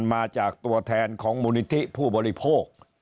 มาจากตัวแทนของมูลนิธิผู้บริโภค